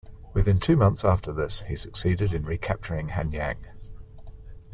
Within two months after this he succeeded in recapturing Hanyang.